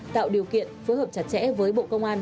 tạo điều kiện phối hợp chặt chẽ với bộ công an